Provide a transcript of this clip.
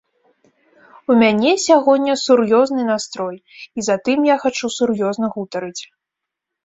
У мяне сягоння сур'ёзны настрой, і затым я хачу сур'ёзна гутарыць.